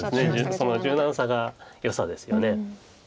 その柔軟さがよさですよね。